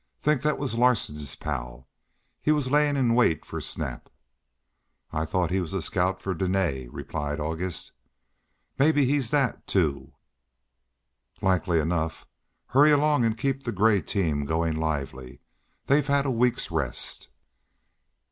"Think that was Larsen's pal. He was laying in wait for Snap." "I thought he was a scout for Dene," replied August. "Maybe he's that too." "Likely enough. Hurry along and keep the gray team going lively. They've had a week's rest."